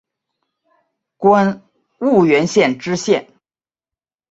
官婺源县知县。